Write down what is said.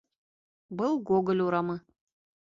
Был Гоголь урамы.